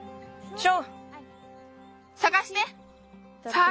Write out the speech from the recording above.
ショー！